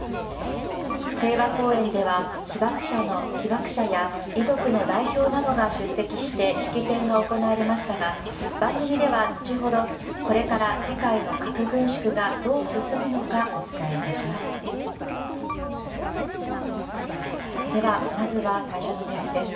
平和公園では被爆者や遺族の代表などが出席して式典が行われましたが番組では後ほどこれから世界の核軍縮がどう進むのかお伝えいたします。